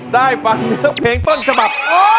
ได้ฟันเพลงต้นฉบับ